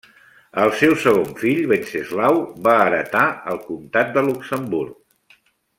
El seu segon fill Venceslau va heretar el comtat de Luxemburg.